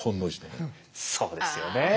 そうですよね。